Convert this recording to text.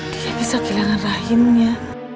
dia bisa kehilangan rahimnya